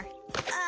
あ？